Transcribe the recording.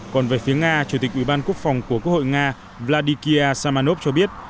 còn về phía nga chủ tịch ủy ban quốc phòng của quốc hội nga vladikiy samanov cho biết